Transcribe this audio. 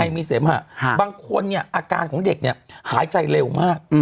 มีเสมหะบางคนเนี่ยอาการของเด็กเนี่ยหายใจเร็วมาก